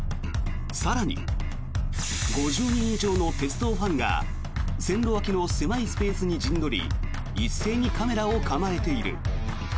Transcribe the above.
更に、５０人以上の鉄道ファンが線路脇の狭いスペースに陣取り一斉にカメラを構えている。